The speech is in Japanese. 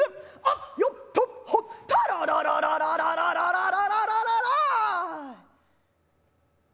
あっよっとっほったらららららららららららららい」。